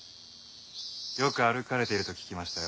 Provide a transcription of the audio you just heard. よく歩かれていると聞きましたよ。